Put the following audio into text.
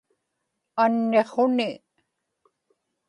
anniqhuni